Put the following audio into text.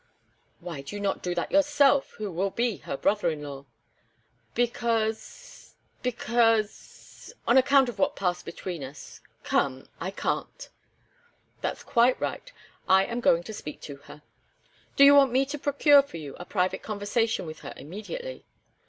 "Why do you not do that, yourself, who will be her brother in law?" "Because because on account of what passed between us come! I can't." "That's quite right. I am going to speak to her." "Do you want me to procure for you a private conversation with her immediately?"